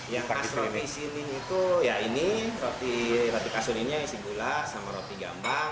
yang di sini itu ya ini roti kasun ini yang isi gula sama roti gambang